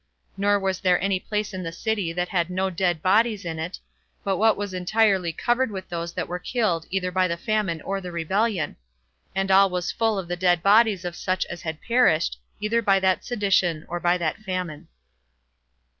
Nor was there any place in the city that had no dead bodies in it, but what was entirely covered with those that were killed either by the famine or the rebellion; and all was full of the dead bodies of such as had perished, either by that sedition or by that famine.